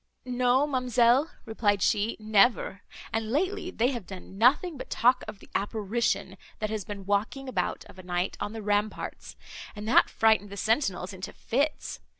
"No, ma'amselle," replied she, "never; and lately they have done nothing but talk of the apparition, that has been walking about of a night on the ramparts, and that frightened the sentinels into fits.